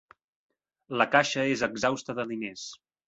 La caixa és exhausta de diners.